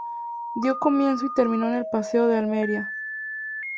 Dio comienzo y terminó en el Paseo de Almería.